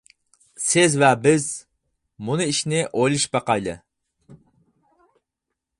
سىز ۋە بىز يەنە مۇنۇ ئىشنى ئويلىشىپ باقايلى.